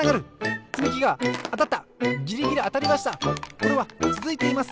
これはつづいています！